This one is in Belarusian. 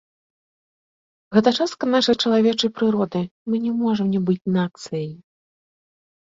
Гэта частка нашай чалавечай прыроды, мы не можам не быць нацыяй.